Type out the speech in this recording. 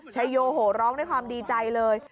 ชายโยโหร้องด้วยความดีใจเลย